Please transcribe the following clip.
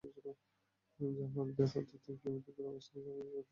যা হরিদ্বার হতে তিন কিলোমিটার দূরে অবস্থিত অতি প্রাচীন দর্শনীয় স্থান।